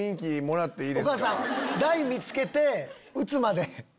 台見つけて打つまで。